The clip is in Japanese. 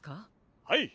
はい！